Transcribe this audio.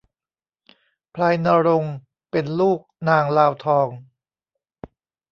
พลายณรงค์เป็นลูกนางลาวทอง